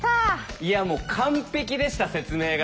いやもう完璧でした説明が。